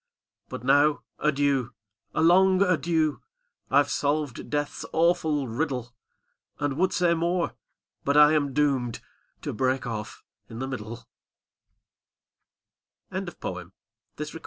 "But now, adieu â a long adieu I IVe solved death's awful riddle, A)nd would say more, but I am doomed To break off in the middle I " Thomas Hood.